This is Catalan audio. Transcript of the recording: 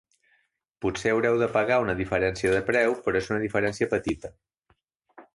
Potser haureu de pagar una diferència de preu, però és una diferència petita.